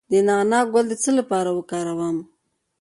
د نعناع ګل د څه لپاره وکاروم؟